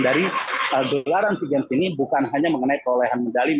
jadi gelaran sea games ini bukan hanya mengenai keolehan medali